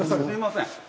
すいません。